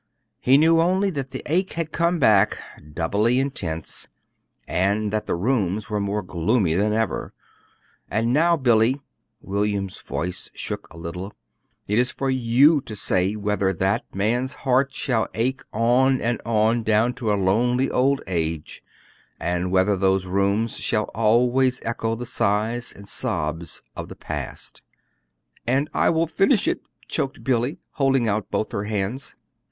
He knew only that the ache had come back, doubly intense, and that the rooms were more gloomy than ever. And now, Billy," William's voice shook a little "it is for you to finish the story. It is for you to say whether that man's heart shall ache on and on down to a lonely old age, and whether those rooms shall always echo the sighs and sobs of the past." "And I will finish it," choked Billy, holding out both her hands.